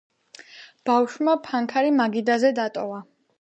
ბავშვმა ფანქარი მაგიდაზე დატოვა.